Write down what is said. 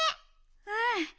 うん。